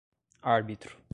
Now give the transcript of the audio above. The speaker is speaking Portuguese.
árbitro